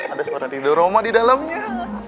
ada suara didoroma di dalamnya